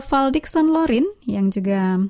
val dixon lorin yang juga